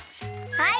はい！